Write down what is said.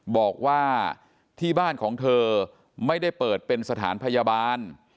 บอกว่าที่บ้านของเธอไม่ได้เปิดเป็นสถานพยาบาล